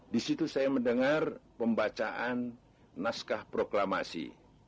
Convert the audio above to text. di situ saya mendengar pembacaan naskah proklamasi